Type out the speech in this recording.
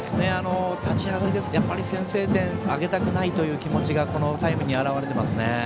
立ち上がりで先制点あげたくないという気持ちがこのタイムに表れていますね。